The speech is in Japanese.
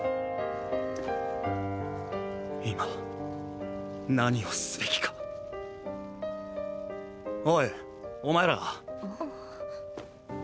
今何をすべきかおいお前ら。